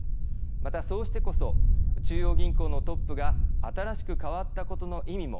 また、そうしてこそ中央銀行のトップが新しく変わったことの意味も